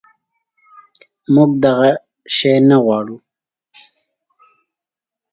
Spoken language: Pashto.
منږ دغه شی نه غواړو